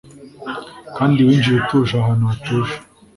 Kandi winjiye utuje ahantu hatuje